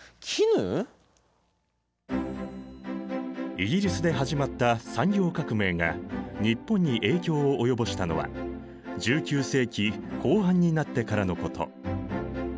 イギリスで始まった産業革命が日本に影響を及ぼしたのは１９世紀後半になってからのこと。